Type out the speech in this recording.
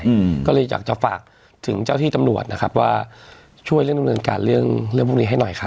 อืมก็เลยอยากจะฝากถึงเจ้าที่ตำรวจนะครับว่าช่วยเรื่องดำเนินการเรื่องเรื่องพวกนี้ให้หน่อยค่ะ